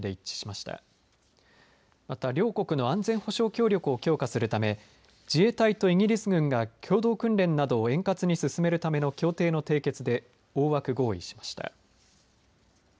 また、両国の安全保障協力を強化するため、自衛隊とイギリス軍が共同訓練などを円滑に進めるための協定の締結で大枠合意しました。